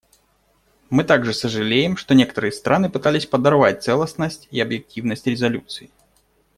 Мы также сожалеем, что некоторые страны пытались подорвать целостность и объективность резолюции.